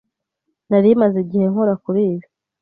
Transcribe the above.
Nari maze igihe nkora kuri ibi.